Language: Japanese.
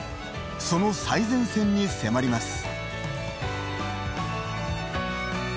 その最前線に迫ります。